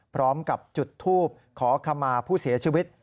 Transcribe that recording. พร้อมกับจุดทูบขอขมาผู้เสียชีวิต